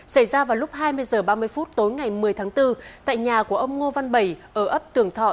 xảy ra vào lúc hai mươi h ba mươi phút tối ngày một mươi tháng bốn tại nhà của ông ngô văn bảy ở ấp tường thọ